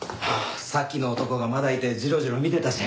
さっきの男がまだいてじろじろ見てたし。